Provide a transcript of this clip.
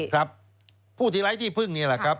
ครับผู้ที่ไร้ที่พึ่งนี่แหละครับ